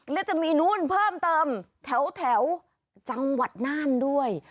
และจะมีนู่นเพิ่มเติมแถวจังหวัดน่านด้วย